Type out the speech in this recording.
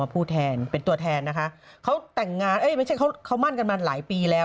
ผู้แทนเป็นตัวแทนนะคะเขาแต่งงานเอ้ยไม่ใช่เขามั่นกันมาหลายปีแล้ว